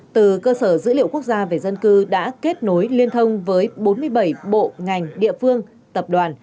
từ cơ sở dữ liệu quốc gia về dân cư đã kết nối liên thông với bốn mươi bảy bộ ngành địa phương tập đoàn